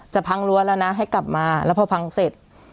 พังรั้วแล้วนะให้กลับมาแล้วพอพังเสร็จ